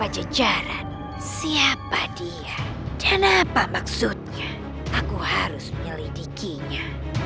sejarah siapa dia dan apa maksudnya aku harus milih dikinya